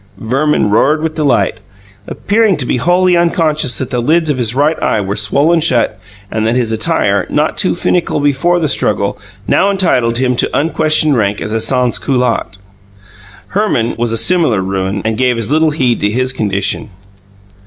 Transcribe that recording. Verman roared with delight, appearing to be wholly unconscious that the lids of his right eye were swollen shut and that his attire, not too finical before the struggle, now entitled him to unquestioned rank as a sansculotte. Herman was a similar ruin, and gave as little heed to his condition.